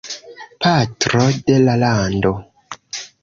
Patro de la Lando.